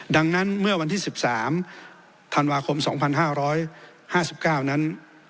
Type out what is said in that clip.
ดังนั้นเมื่อวันที่๑๓ธันวาคม๒๕๕๙นั้น